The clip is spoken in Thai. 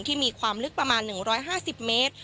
มีความลึกประมาณ๑๕๐เมตร